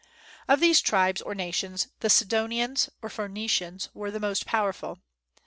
Of these tribes or nations the Sidonians, or Phoenicians, were the most powerful.